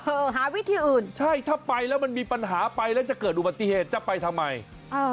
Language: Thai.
หาวิธีอื่นใช่ถ้าไปแล้วมันมีปัญหาไปแล้วจะเกิดอุบัติเหตุจะไปทำไมเออ